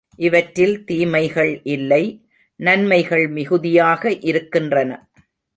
இவற்றில் தீமைகள் இல்லை, நன்மைகள் மிகுதியாக இருக்கின்றன.